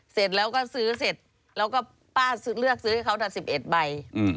เสร็จแล้วก็ซื้อเสร็จแล้วก็ป้าเลือกซื้อให้เขา๑๑ใบ